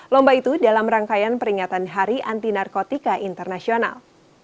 lomba itu dalam rangkaian peringatan hari anti narkotika internasional